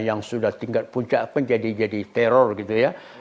yang sudah tingkat puncak pun jadi jadi teror gitu ya